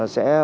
sẽ báo cáo